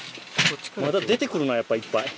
まだ出て来るなやっぱいっぱい